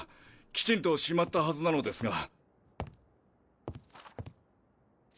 きちんとしまったはずなのですが。